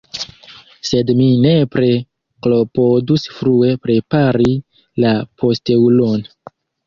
Sed mi nepre klopodus frue prepari la posteulon.